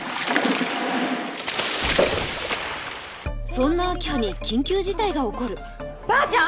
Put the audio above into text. そんな明葉に緊急事態が起こるばあちゃん！